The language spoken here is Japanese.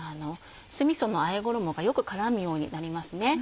酢みそのあえ衣がよく絡むようになりますね。